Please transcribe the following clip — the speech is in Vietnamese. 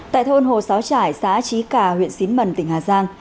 tại thôn hồ xáo trải xã trí cà huyện xín mần tỉnh hà giang